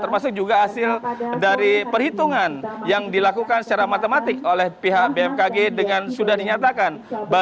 termasuk juga hasil dari perhitungan yang dilakukan secara matematik oleh pihak bmkg dengan sudah dinyatakan